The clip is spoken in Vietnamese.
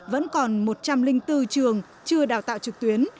vẫn còn một trăm linh bốn trường chưa đào tạo trực tuyến